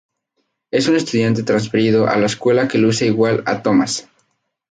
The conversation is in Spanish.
Es un estudiante transferido a la escuela que luce igual a Thomas.